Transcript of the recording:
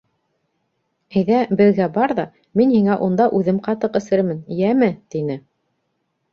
Әйҙә, беҙгә бар ҙа, мин һиңә унда үҙем ҡатыҡ эсерермен, йәме, — тине.